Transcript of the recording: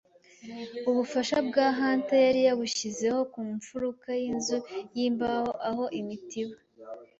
ubufasha bwa Hunter yari yabushizeho ku mfuruka yinzu yimbaho aho imitiba